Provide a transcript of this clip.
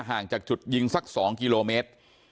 ห่างจากจุดยิงสัก๒กิโลเมตร